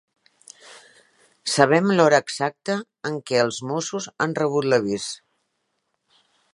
Sabem l'hora exacta en què els Mossos han rebut l'avís.